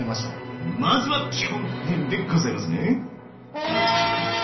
まずは基本編でございますね。